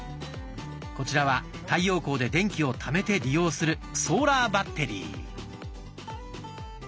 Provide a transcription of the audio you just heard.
こちらは太陽光で電気をためて利用するソーラーバッテリー。